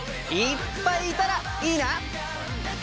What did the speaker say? いっぱいいたらいいな！